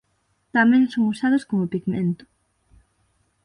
Tamén son usados como pigmento.